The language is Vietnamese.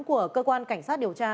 của cơ quan cảnh sát điều tra